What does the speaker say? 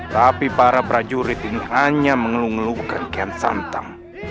tapi para prajurit ini hanya mengeluh eluh kakihan santan